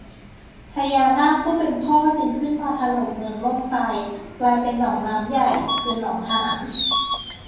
พญานาคผู้เป็นพ่อจึงขึ้นมาถล่มเมืองล่มไป กลายเป็นหนองน้ำใหญ่ คือ หนองหาน